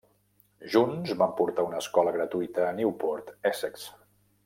Junts van portar una escola gratuïta a Newport, Essex.